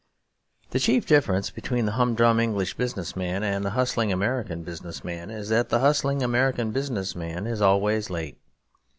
The chief difference between the humdrum English business man and the hustling American business man is that the hustling American business man is always late.